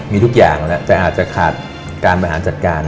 มีทุกอย่างแล้วแต่อาจจะขาดการบริหารจัดการ